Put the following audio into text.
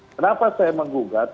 kenapa saya menggugat